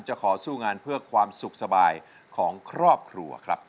ขอสู้งานเพื่อความสุขสบายของครอบครัวครับ